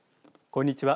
こんにちは。